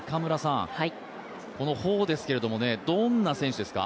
このホですけどもどんな選手ですか？